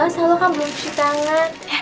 sama kan belum cuci tangan